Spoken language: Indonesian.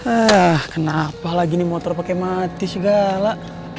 ah kenapa lagi ini motor pakai mati segala